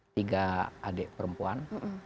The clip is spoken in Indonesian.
tiga adik perempuan